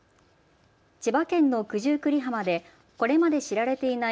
千葉県の九十九里浜でこれまで知られていない